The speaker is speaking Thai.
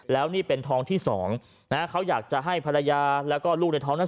แล้วนี่เป็นทองที่สองนะฮะเขาอยากจะให้ภรรยาแล้วก็ลูกในท้องนั้น